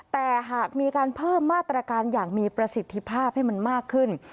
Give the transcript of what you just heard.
แต่หากมีการเพิ่มมาตรการอย่างมีประสิทธิภาพให้มันมากขึ้น